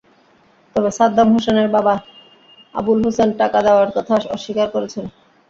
তবে সাদ্দাম হোসেনের বাবা আবুল হোসেন টাকা দেওয়ার কথা অস্বীকার করেছেন।